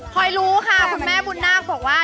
พอยรู้ค่ะคุณแม่บุญนาคบอกว่า